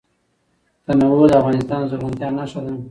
تنوع د افغانستان د زرغونتیا نښه ده.